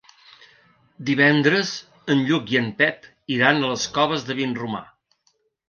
Divendres en Lluc i en Pep iran a les Coves de Vinromà.